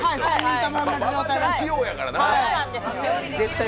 器用やからな。